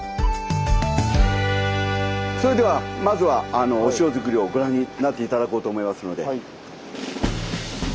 それではまずはお塩作りをご覧になって頂こうと思いますので。